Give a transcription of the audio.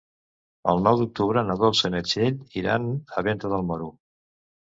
El nou d'octubre na Dolça i na Txell iran a Venta del Moro.